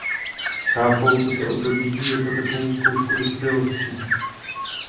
Chápou toto období jako takovou "zkoušku dospělosti".